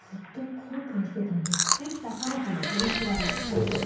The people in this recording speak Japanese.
後悔？